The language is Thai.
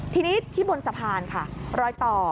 ทีนี้ที่บนสะพานค่ะรอยต่อ